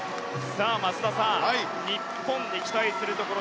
松田さん、日本に期待するところ